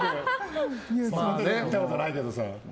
見たことないけどさ。